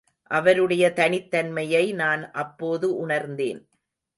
அவருடைய தனித்தன்மையை நான் அப்போது உணர்ந்தேன்.